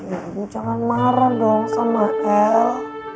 ibu jangan marah dong sama el